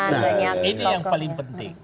nah ini yang paling penting